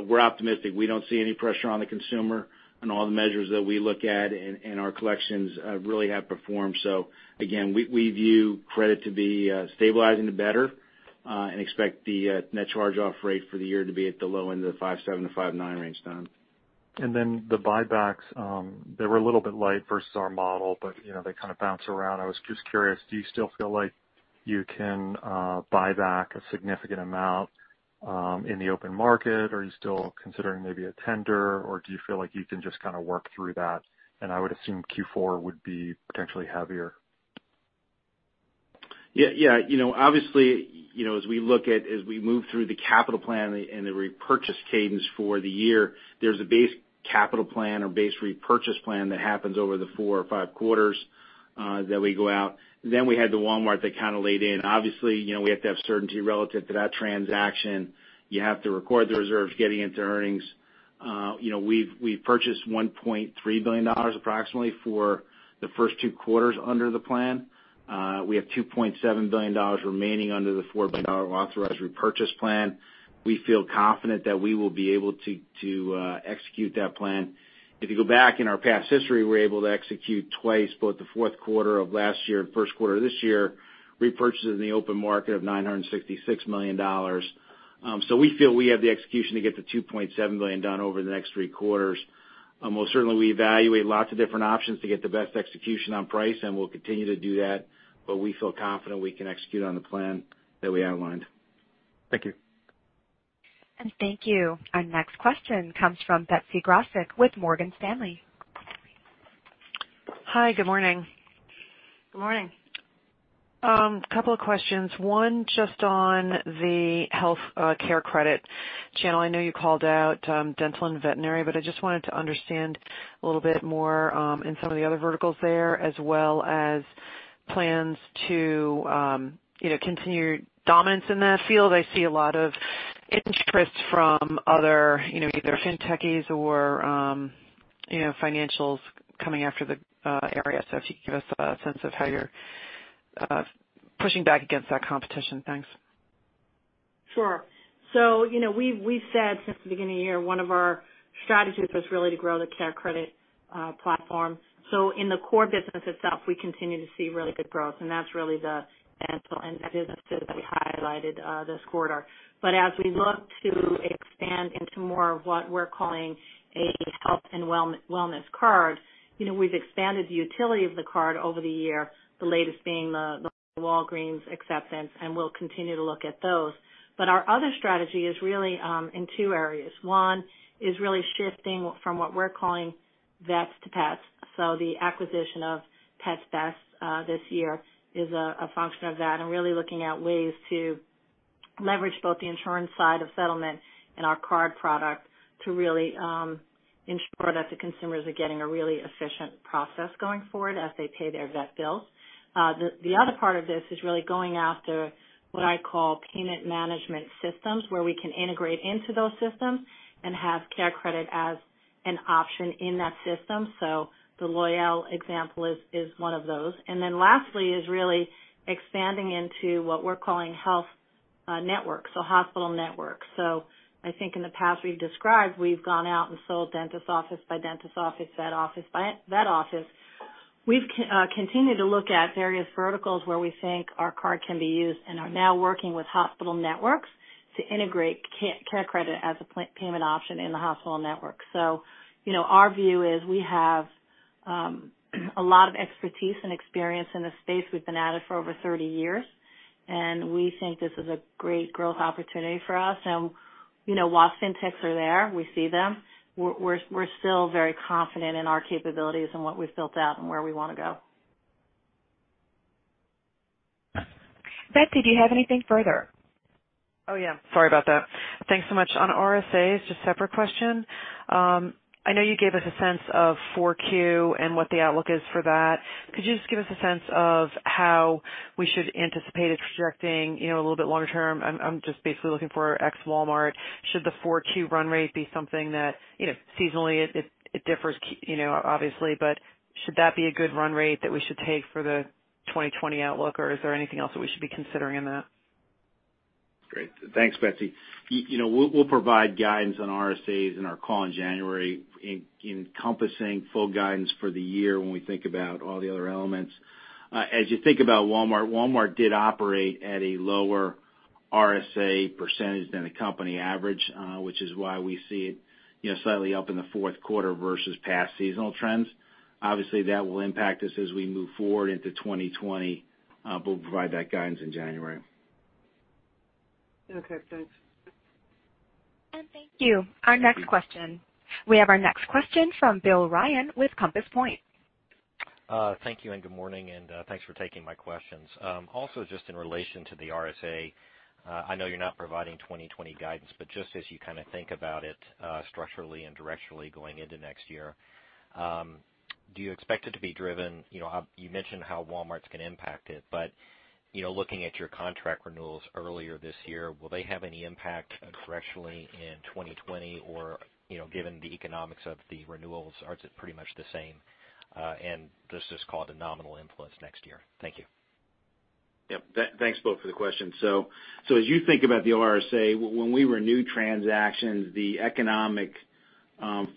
Speaker 5: we're optimistic. We don't see any pressure on the consumer on all the measures that we look at, and our collections really have performed. Again, we view credit to be stabilizing to better and expect the net charge-off rate for the year to be at the low end of the 5.7%-5.9% range, Don.
Speaker 8: The buybacks, they were a little bit light versus our model, but they kind of bounce around. I was just curious, do you still feel like you can buy back a significant amount in the open market, or are you still considering maybe a tender, or do you feel like you can just kind of work through that? I would assume Q4 would be potentially heavier.
Speaker 5: Obviously, as we move through the capital plan and the repurchase cadence for the year, there's a base capital plan or base repurchase plan that happens over the four or five quarters that we go out. We had the Walmart that kind of laid in. Obviously, we have to have certainty relative to that transaction. You have to record the reserves getting into earnings. We've purchased $1.3 billion approximately for the first two quarters under the plan. We have $2.7 billion remaining under the $4 billion authorized repurchase plan. We feel confident that we will be able to execute that plan. If you go back in our past history, we were able to execute twice, both the fourth quarter of last year and first quarter of this year, repurchases in the open market of $966 million. We feel we have the execution to get the $2.7 billion done over the next three quarters. Most certainly, we evaluate lots of different options to get the best execution on price, and we'll continue to do that, but we feel confident we can execute on the plan that we outlined.
Speaker 8: Thank you.
Speaker 1: Thank you. Our next question comes from Betsy Graseck with Morgan Stanley.
Speaker 9: Hi. Good morning.
Speaker 3: Good morning.
Speaker 9: A couple of questions. One, just on the health care credit channel. I know you called out dental and veterinary, but I just wanted to understand a little bit more in some of the other verticals there as well as plans to continue dominance in that field. I see a lot of interest from other either fintechies or financials coming after the area. If you could give us a sense of how you're pushing back against that competition. Thanks.
Speaker 3: Sure. We said since the beginning of the year, one of our strategies was really to grow the CareCredit platform. In the core business itself, we continue to see really good growth, and that's really the dental and vet business that I highlighted this quarter. As we look to expand into more of what we're calling a health and wellness card, we've expanded the utility of the card over the year, the latest being the Walgreens acceptance, and we'll continue to look at those. Our other strategy is really in two areas. One is really shifting from what we're calling vets to pets. The acquisition of Pets Best this year is a function of that and really looking at ways to leverage both the insurance side of Synchrony and our card product to really ensure that the consumers are getting a really efficient process going forward as they pay their vet bills. The other part of this is really going after what I call payment management systems, where we can integrate into those systems and have CareCredit as an option in that system. The Loyale example is one of those. Lastly is really expanding into what we're calling health networks. Hospital networks. I think in the past we've described, we've gone out and sold dentist office by dentist office, vet office by vet office. We've continued to look at various verticals where we think our card can be used and are now working with hospital networks to integrate CareCredit as a payment option in the hospital network. Our view is we have a lot of expertise and experience in this space. We've been at it for over 30 years, and we think this is a great growth opportunity for us. While fintechs are there, we see them. We're still very confident in our capabilities and what we've built out and where we want to go.
Speaker 1: Betsy, do you have anything further?
Speaker 9: Oh, yeah. Sorry about that. Thanks so much. On RSAs, just separate question. I know you gave us a sense of 4Q and what the outlook is for that. Could you just give us a sense of how we should anticipate it trajecting a little bit longer term? I'm just basically looking for ex-Walmart. Should the 4Q run rate be something that seasonally it differs obviously, but should that be a good run rate that we should take for the 2020 outlook? Is there anything else that we should be considering in that?
Speaker 5: Great. Thanks, Betsy. We'll provide guidance on RSAs in our call in January encompassing full guidance for the year when we think about all the other elements. You think about Walmart did operate at a lower RSA % than a company average, which is why we see it slightly up in the fourth quarter versus past seasonal trends. That will impact us as we move forward into 2020. We'll provide that guidance in January.
Speaker 9: Okay, thanks.
Speaker 1: Thank you. Our next question. We have our next question from Bill Ryan with Compass Point.
Speaker 10: Thank you. Good morning. Thanks for taking my questions. Just in relation to the RSA. I know you're not providing 2020 guidance, just as you kind of think about it structurally and directionally going into next year. Do you expect it to be driven? You mentioned how Walmart's going to impact it, looking at your contract renewals earlier this year, will they have any impact directionally in 2020? Given the economics of the renewals, are pretty much the same and does this cause a nominal influence next year? Thank you.
Speaker 5: Yep. Thanks both for the questions. As you think about the RSA, when we renew transactions, the economic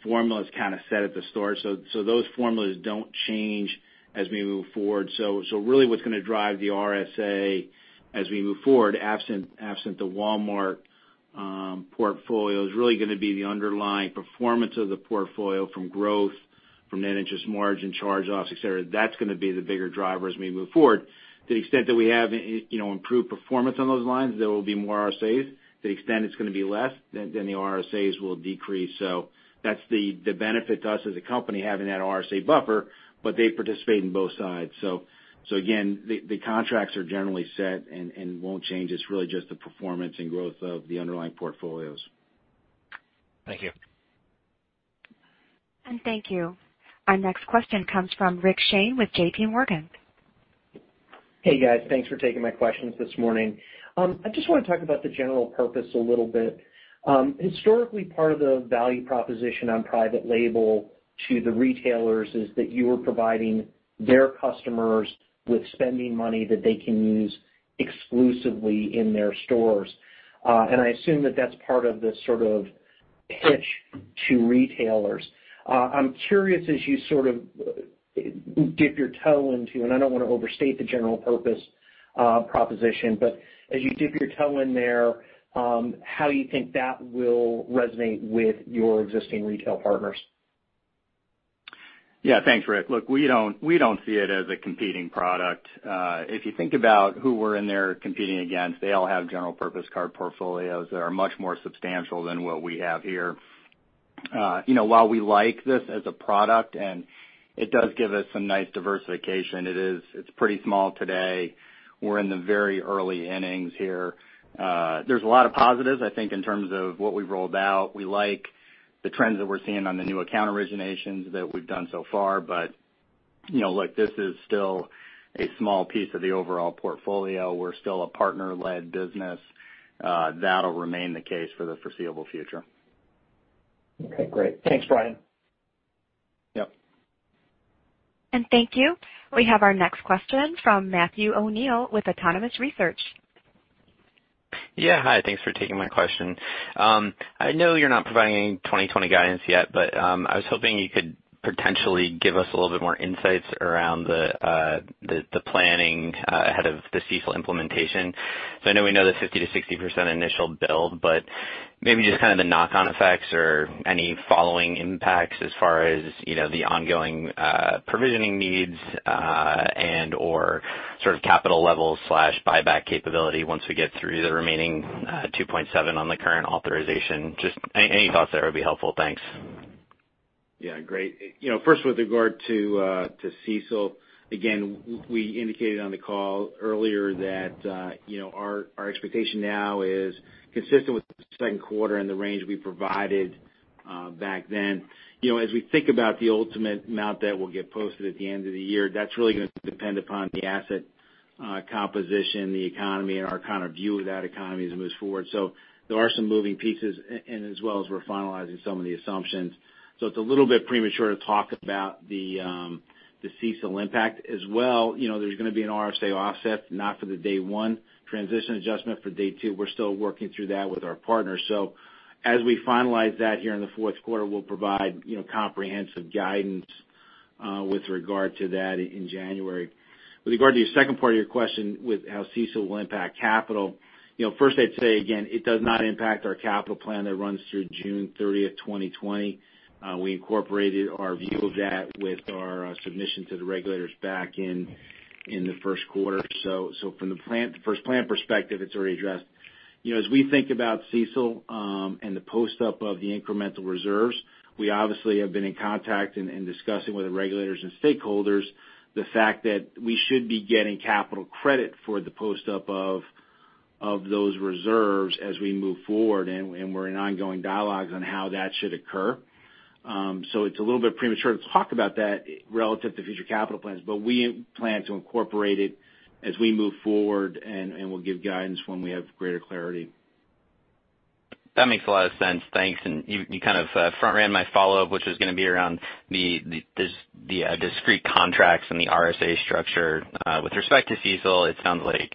Speaker 5: formula is kind of set at the store. Those formulas don't change as we move forward. Really what's going to drive the RSA as we move forward, absent the Walmart portfolio, is really going to be the underlying performance of the portfolio from growth, from net interest margin charge-offs, et cetera. That's going to be the bigger driver as we move forward. To the extent that we have improved performance on those lines, there will be more RSAs. To the extent it's going to be less, then the RSAs will decrease. That's the benefit to us as a company having that RSA buffer, but they participate in both sides. Again, the contracts are generally set and won't change. It's really just the performance and growth of the underlying portfolios.
Speaker 10: Thank you.
Speaker 1: Thank you. Our next question comes from Rick Shane with JPMorgan.
Speaker 11: Hey guys, thanks for taking my questions this morning. I just want to talk about the general purpose a little bit. Historically part of the value proposition on private label to the retailers is that you are providing their customers with spending money that they can use exclusively in their stores. I assume that that's part of the sort of pitch to retailers. I'm curious as you sort of dip your toe into, and I don't want to overstate the general purpose proposition, but as you dip your toe in there, how you think that will resonate with your existing retail partners?
Speaker 4: Yeah. Thanks, Rick. Look, we don't see it as a competing product. If you think about who we're in there competing against, they all have general purpose card portfolios that are much more substantial than what we have here. While we like this as a product, and it does give us some nice diversification, it's pretty small today. We're in the very early innings here. There's a lot of positives, I think, in terms of what we've rolled out. We like the trends that we're seeing on the new account originations that we've done so far. Look, this is still a small piece of the overall portfolio. We're still a partner-led business. That'll remain the case for the foreseeable future.
Speaker 11: Okay, great. Thanks, Brian.
Speaker 4: Yep.
Speaker 1: Thank you. We have our next question from Matthew O'Neill with Autonomous Research.
Speaker 12: Yeah, hi. Thanks for taking my question. I know you're not providing any 2020 guidance yet, I was hoping you could potentially give us a little bit more insights around the planning ahead of the CECL implementation. I know we know the 50%-60% initial build, but maybe just kind of the knock-on effects or any following impacts as far as the ongoing provisioning needs and/or sort of capital levels/buyback capability once we get through the remaining $2.7 on the current authorization. Just any thoughts there would be helpful. Thanks.
Speaker 5: Yeah. Great. First with regard to CECL, again, we indicated on the call earlier that our expectation now is consistent with the third quarter and the range we provided back then. As we think about the ultimate amount that will get posted at the end of the year, that's really going to depend upon the asset composition, the economy, and our kind of view of that economy as it moves forward. There are some moving pieces, and as well as we're finalizing some of the assumptions. It's a little bit premature to talk about the CECL impact as well. There's going to be an RSA offset, not for the day one transition adjustment for day two. We're still working through that with our partners. As we finalize that here in the fourth quarter, we'll provide comprehensive guidance with regard to that in January. With regard to your second part of your question with how CECL will impact capital, first I'd say again, it does not impact our capital plan that runs through June 30th, 2020. We incorporated our view of that with our submission to the regulators back in the first quarter. From the first plan perspective, it's already addressed. As we think about CECL and the post-up of the incremental reserves, we obviously have been in contact and discussing with the regulators and stakeholders the fact that we should be getting capital credit for the post-up of those reserves as we move forward, and we're in ongoing dialogues on how that should occur. It's a little bit premature to talk about that relative to future capital plans, but we plan to incorporate it as we move forward, and we'll give guidance when we have greater clarity.
Speaker 12: That makes a lot of sense. Thanks. You kind of front-ran my follow-up, which was going to be around the discrete contracts and the RSA structure. With respect to CECL, it sounds like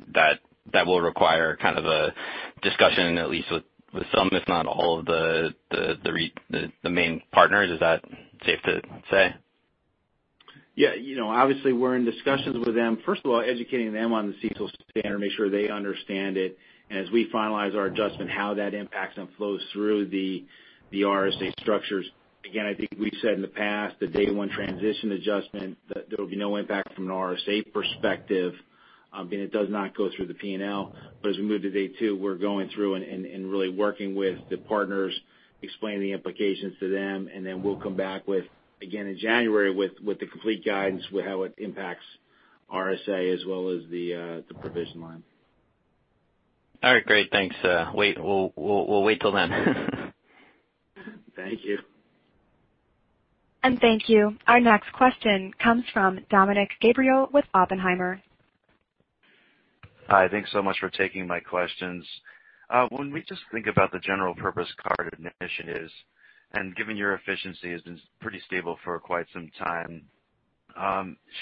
Speaker 12: that will require kind of a discussion, at least with some, if not all of the main partners. Is that safe to say?
Speaker 5: Yeah. Obviously, we're in discussions with them. First of all, educating them on the CECL standard, make sure they understand it, and as we finalize our adjustment, how that impacts and flows through the RSA structures. Again, I think we've said in the past, the day one transition adjustment, that there'll be no impact from an RSA perspective. Again, it does not go through the P&L. As we move to day two, we're going through and really working with the partners, explaining the implications to them, and then we'll come back with, again, in January with the complete guidance with how it impacts RSA as well as the provision line.
Speaker 12: All right. Great. Thanks. We'll wait till then.
Speaker 5: Thank you.
Speaker 1: Thank you. Our next question comes from Dominick Gabriele with Oppenheimer.
Speaker 13: Hi. Thanks so much for taking my questions. When we just think about the general purpose card initiatives, and given your efficiency has been pretty stable for quite some time,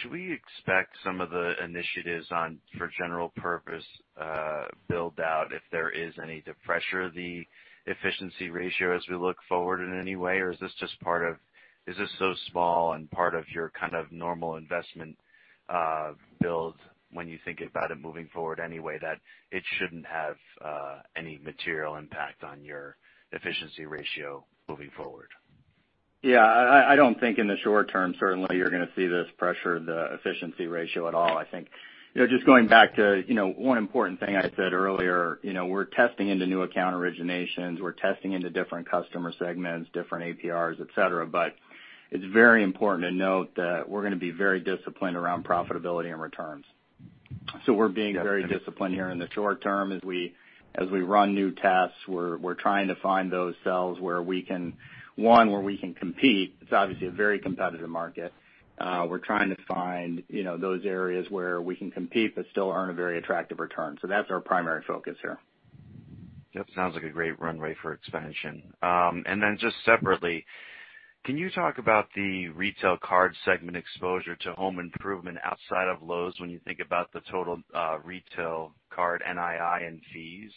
Speaker 13: should we expect some of the initiatives for general purpose build out if there is any, to pressure the efficiency ratio as we look forward in any way? Is this so small and part of your kind of normal investment build when you think about it moving forward anyway, that it shouldn't have any material impact on your efficiency ratio moving forward?
Speaker 4: Yeah. I don't think in the short term, certainly, you're going to see this pressure the efficiency ratio at all. I think just going back to one important thing I said earlier, we're testing into new account originations. We're testing into different customer segments, different APRs, et cetera. It's very important to note that we're going to be very disciplined around profitability and returns. We're being very disciplined here in the short term as we run new tests. We're trying to find those cells where we can compete. It's obviously a very competitive market. We're trying to find those areas where we can compete but still earn a very attractive return. That's our primary focus here.
Speaker 13: That sounds like a great runway for expansion. Just separately, can you talk about the retail card segment exposure to home improvement outside of Lowe's when you think about the total retail card NII and fees?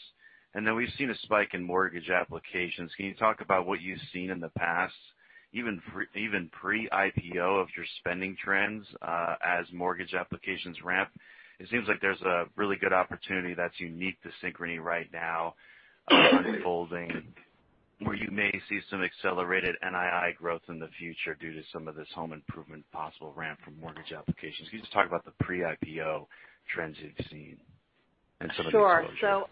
Speaker 13: We've seen a spike in mortgage applications. Can you talk about what you've seen in the past, even pre-IPO of your spending trends as mortgage applications ramp? It seems like there's a really good opportunity that's unique to Synchrony right now unfolding. Where you may see some accelerated NII growth in the future due to some of this home improvement possible ramp from mortgage applications. Can you just talk about the pre-IPO trends you've seen and some of the exposures?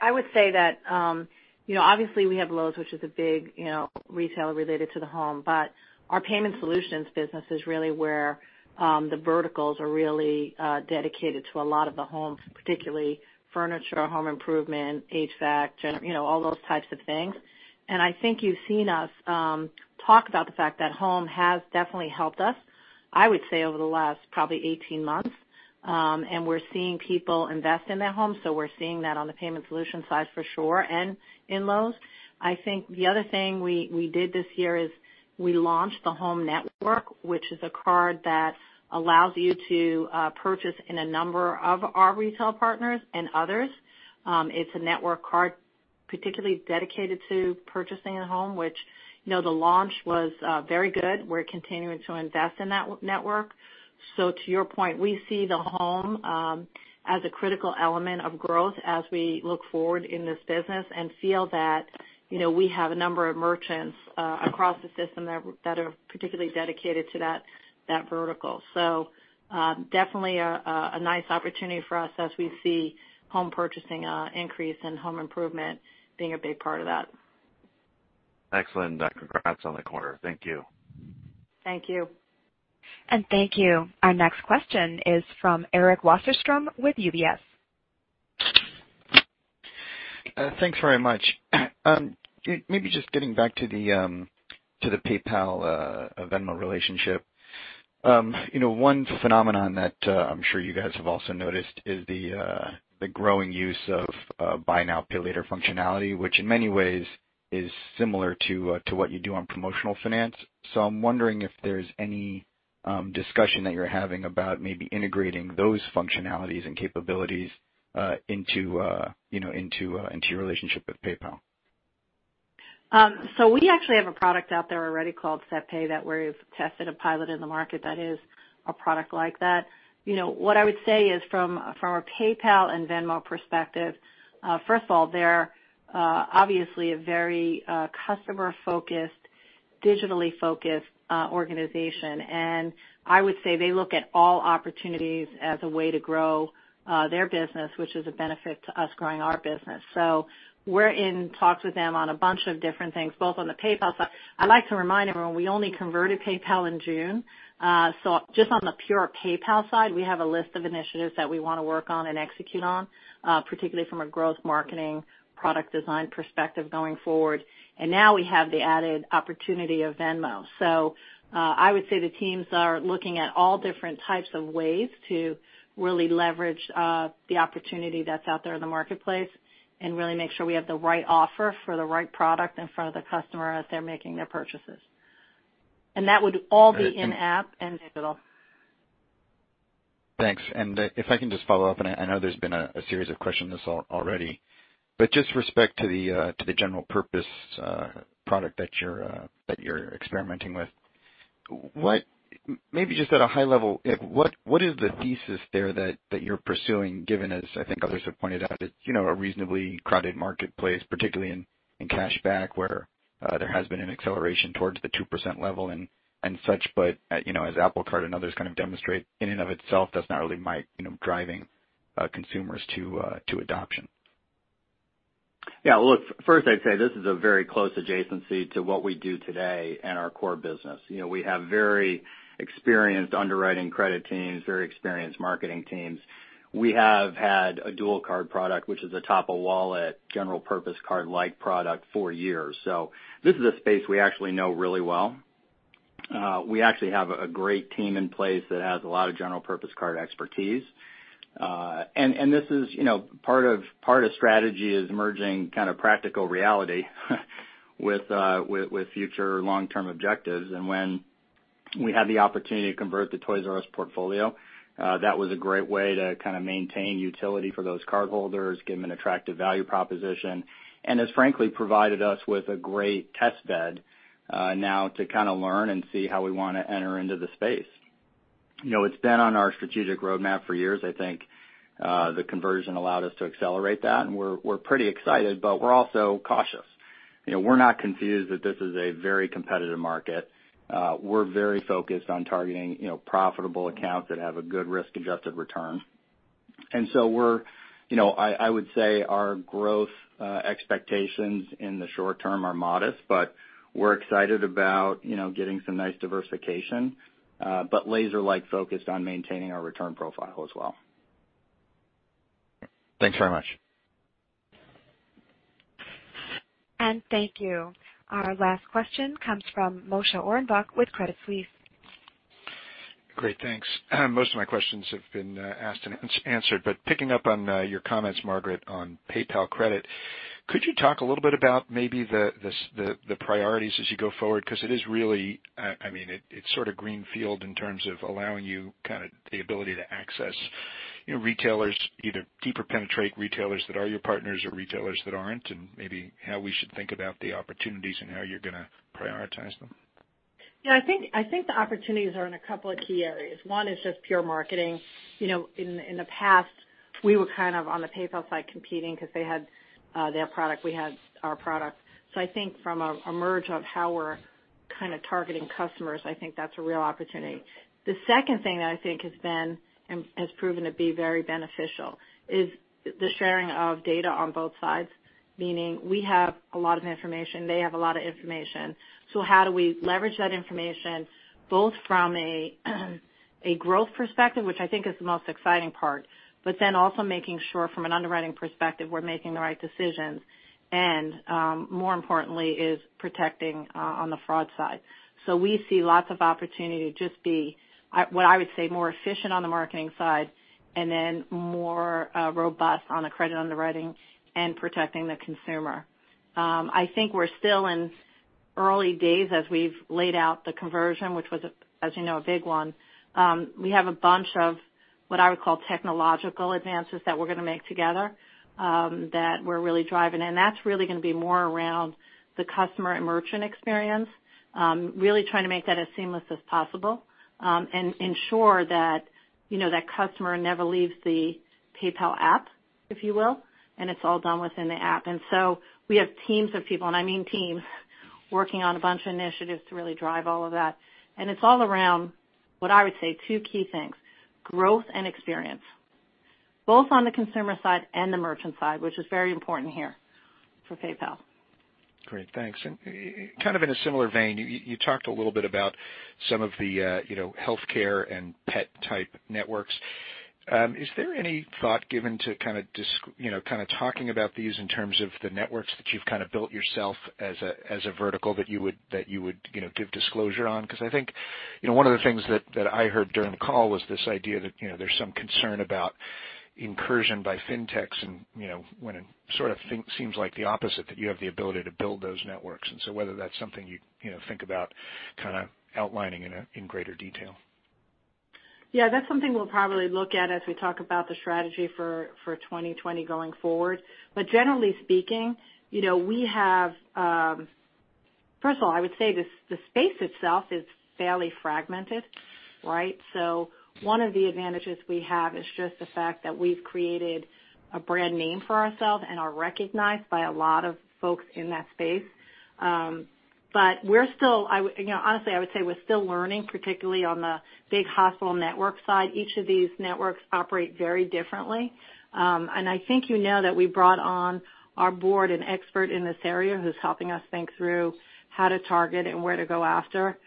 Speaker 3: I would say that obviously we have Lowe's, which is a big retailer related to the home, but our payment solutions business is really where the verticals are really dedicated to a lot of the home, particularly furniture, home improvement, HVAC, all those types of things. I think you've seen us talk about the fact that home has definitely helped us, I would say, over the last probably 18 months. We're seeing people invest in their homes. We're seeing that on the payment solution side for sure, and in Lowe's. I think the other thing we did this year is we launched the HOME Network, which is a card that allows you to purchase in a number of our retail partners and others. It's a network card particularly dedicated to purchasing a home, which the launch was very good. We're continuing to invest in that network. To your point, we see the home as a critical element of growth as we look forward in this business and feel that we have a number of merchants across the system that are particularly dedicated to that vertical. Definitely a nice opportunity for us as we see home purchasing increase and home improvement being a big part of that.
Speaker 13: Excellent, congrats on the quarter. Thank you.
Speaker 3: Thank you.
Speaker 1: Thank you. Our next question is from Eric Wasserstrom with UBS.
Speaker 14: Thanks very much. Maybe just getting back to the PayPal-Venmo relationship. One phenomenon that I'm sure you guys have also noticed is the growing use of buy now, pay later functionality, which in many ways is similar to what you do on promotional finance. I'm wondering if there's any discussion that you're having about maybe integrating those functionalities and capabilities into your relationship with PayPal.
Speaker 3: We actually have a product out there already called SetPay that we've tested a pilot in the market that is a product like that. What I would say is from a PayPal and Venmo perspective, first of all, they're obviously a very customer-focused, digitally focused organization, and I would say they look at all opportunities as a way to grow their business, which is a benefit to us growing our business. We're in talks with them on a bunch of different things, both on the PayPal side. I'd like to remind everyone, we only converted PayPal in June. Just on the pure PayPal side, we have a list of initiatives that we want to work on and execute on, particularly from a growth marketing product design perspective going forward. Now we have the added opportunity of Venmo. I would say the teams are looking at all different types of ways to really leverage the opportunity that's out there in the marketplace and really make sure we have the right offer for the right product in front of the customer as they're making their purchases. That would all be in app enabled.
Speaker 14: Thanks. If I can just follow up, and I know there's been a series of questions on this already, but just respect to the general purpose product that you're experimenting with. Maybe just at a high level, what is the thesis there that you're pursuing, given, as I think others have pointed out, it's a reasonably crowded marketplace, particularly in cashback, where there has been an acceleration towards the 2% level and such, but as Apple Card and others kind of demonstrate, in and of itself, that's not really driving consumers to adoption.
Speaker 4: Yeah. Look, first I'd say this is a very close adjacency to what we do today in our core business. We have very experienced underwriting credit teams, very experienced marketing teams. We have had a dual card product, which is a top of wallet, general purpose card-like product for years. This is a space we actually know really well. We actually have a great team in place that has a lot of general purpose card expertise. Part of strategy is merging kind of practical reality with future long-term objectives. When we had the opportunity to convert the Toys"R"Us portfolio, that was a great way to kind of maintain utility for those cardholders, give them an attractive value proposition, and has frankly provided us with a great test bed now to kind of learn and see how we want to enter into the space. It's been on our strategic roadmap for years. I think the conversion allowed us to accelerate that, and we're pretty excited, but we're also cautious. We're not confused that this is a very competitive market. We're very focused on targeting profitable accounts that have a good risk-adjusted return. I would say our growth expectations in the short term are modest, but we're excited about getting some nice diversification, but laser-like focused on maintaining our return profile as well.
Speaker 14: Thanks very much.
Speaker 1: Thank you. Our last question comes from Moshe Orenbuch with Credit Suisse.
Speaker 15: Great. Thanks. Most of my questions have been asked and answered. Picking up on your comments, Margaret, on PayPal Credit, could you talk a little bit about maybe the priorities as you go forward? It is really green field in terms of allowing you kind of the ability to access retailers, either deeper penetrate retailers that are your partners or retailers that aren't, and maybe how we should think about the opportunities and how you're going to prioritize them.
Speaker 3: Yeah, I think the opportunities are in a couple of key areas. One is just pure marketing. In the past, we were kind of on the PayPal side competing because they had their product, we had our product. I think from a merge of how we're kind of targeting customers, I think that's a real opportunity. The second thing that I think has proven to be very beneficial is the sharing of data on both sides. Meaning we have a lot of information, they have a lot of information. How do we leverage that information both from a growth perspective, which I think is the most exciting part, but then also making sure from an underwriting perspective, we're making the right decisions and, more importantly, is protecting on the fraud side. We see lots of opportunity to just be, what I would say, more efficient on the marketing side and then more robust on the credit underwriting and protecting the consumer. I think we're still in early days as we've laid out the conversion, which was, as you know, a big one. We have a bunch of what I would call technological advances that we're going to make together that we're really driving. That's really going to be more around the customer and merchant experience. Really trying to make that as seamless as possible, and ensure that customer never leaves the PayPal app, if you will, and it's all done within the app. We have teams of people, and I mean teams, working on a bunch of initiatives to really drive all of that. It's all around what I would say two key things, growth and experience, both on the consumer side and the merchant side, which is very important here for PayPal.
Speaker 15: Great. Thanks. Kind of in a similar vein, you talked a little bit about some of the healthcare and pet type networks. Is there any thought given to kind of talking about these in terms of the networks that you've kind of built yourself as a vertical that you would give disclosure on? I think one of the things that I heard during the call was this idea that there's some concern about incursion by fintechs and when it sort of seems like the opposite, that you have the ability to build those networks. Whether that's something you think about kind of outlining in greater detail.
Speaker 3: Yeah, that's something we'll probably look at as we talk about the strategy for 2020 going forward. Generally speaking, first of all, I would say the space itself is fairly fragmented, right? One of the advantages we have is just the fact that we've created a brand name for ourselves and are recognized by a lot of folks in that space. Honestly, I would say we're still learning, particularly on the big hospital network side. Each of these networks operate very differently. I think you know that we brought on our board an expert in this area who's helping us think through how to target and where to go after.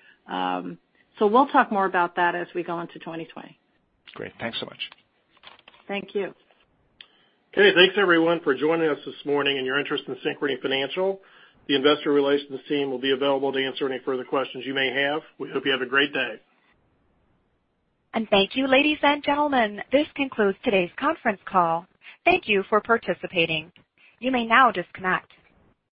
Speaker 3: We'll talk more about that as we go into 2020.
Speaker 15: Great. Thanks so much.
Speaker 3: Thank you.
Speaker 2: Okay, thanks everyone for joining us this morning and your interest in Synchrony Financial. The investor relations team will be available to answer any further questions you may have. We hope you have a great day.
Speaker 1: Thank you, ladies and gentlemen. This concludes today's conference call. Thank you for participating. You may now disconnect.